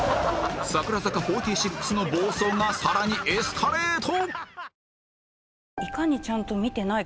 櫻坂４６の暴走が更にエスカレート！